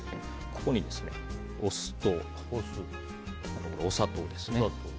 ここにお酢と、お砂糖です。